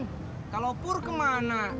john kalau pur kemana